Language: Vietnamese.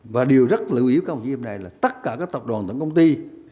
và điều rất lưu ý của các công ty hôm nay là tất cả các tập đoàn tổng công ty